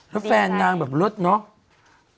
แล้วแฟนนางแบบรสเนอะ